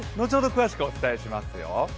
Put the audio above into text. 詳しくお伝えしますよ。